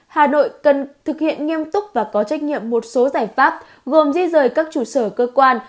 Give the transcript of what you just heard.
hà nội cần thực hiện nghiêm túc và có trách nhiệm một số giải pháp gồm di rời các trụ sở cơ quan